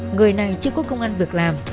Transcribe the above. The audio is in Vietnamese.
người này chưa có công an việc làm